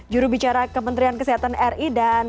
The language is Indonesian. jurubicara kementerian kesehatan ri dan